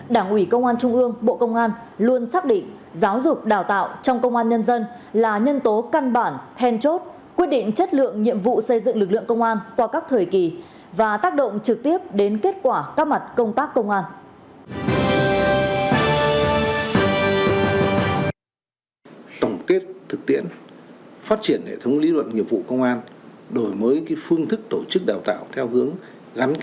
đảng ủy công an trung ương bộ công an luôn xác định giáo dục đào tạo trong công an nhân dân là nhân tố căn bản hen chốt quyết định chất lượng nhiệm vụ xây dựng lực lượng công an qua các thời kỳ và tác động trực tiếp đến kết quả các mặt công tác công an